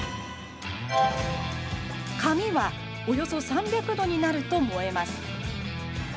紙はおよそ３００度になると燃えます。